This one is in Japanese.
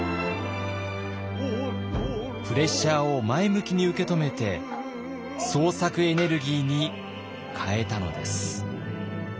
プレッシャーを前向きに受け止めて創作エネルギーに変えたのです。